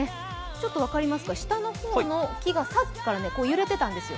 ちょっと分かりますか、下の方の木がさっきから揺れてたんですよ。